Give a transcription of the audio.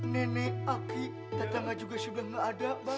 nenek aki tatangan juga sudah gak ada bang